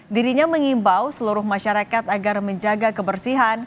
dirinya mengimbau seluruh masyarakat agar menjaga kebersihan